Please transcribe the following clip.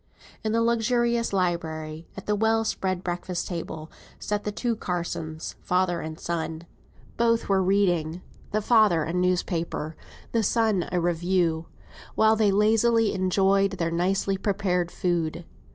In the luxurious library, at the well spread breakfast table, sat the two Mr. Carsons, father and son. Both were reading; the father a newspaper, the son a review, while they lazily enjoyed their nicely prepared food.